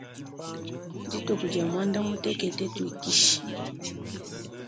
Dituku dia muandamutekete tuikishe.